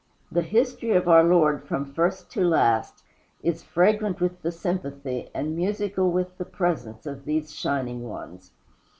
The history of our Lord from first to last is fragrant with the sympathy and musical with the presence of these shining ones.